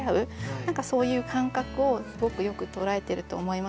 何かそういう感覚をすごくよく捉えてると思いました。